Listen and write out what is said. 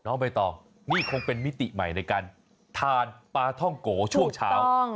ใบตองนี่คงเป็นมิติใหม่ในการทานปลาท่องโกช่วงเช้า